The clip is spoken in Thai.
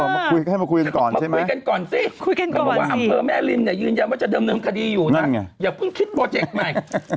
มาคุยกันก่อนมาคุยกันก่อนสิเขาบอกว่าอำเภอแม่ริมเนี่ยยืนยันว่าจะเดิมคดีอยู่นะอย่าเพิ่งคิดโปรเจกต์ใหม่